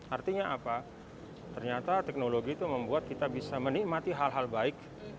artinya apa ternyata teknologi itu membuat kita bisa menikmati hal hal baik